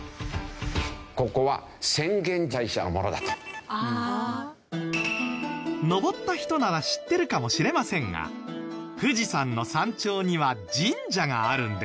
ここは登った人なら知ってるかもしれませんが富士山の山頂には神社があるんです。